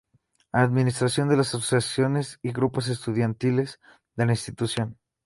Administración de las asociaciones y grupos estudiantiles de la institución.